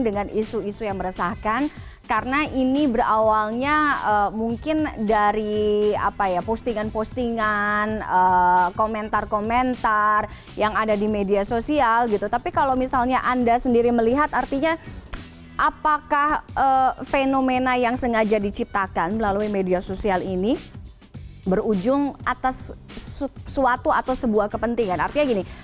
dengan isu isu yang meresahkan karena ini berawalnya mungkin dari apa ya postingan postingan komentar komentar yang ada di media sosial gitu tapi kalau misalnya anda sendiri melihat artinya apakah fenomena yang sengaja diciptakan melalui media sosial ini berujung atas suatu atau sebuah kepentingan artinya gini